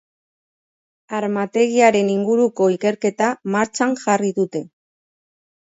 Armategiaren inguruko ikerketa martxan jarri dute.